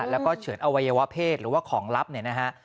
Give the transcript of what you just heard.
แล้วก็เฉินอวัยวะเพศหรือว่าของลับเนี่ยนะฮะ